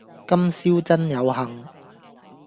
今宵真有幸